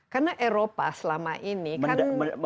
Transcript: karena eropa selama ini kan